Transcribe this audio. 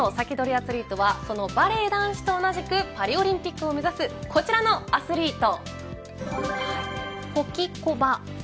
アツリートはそのバレー男子と同じくパリオリンピックを目指すこちらのアスリート。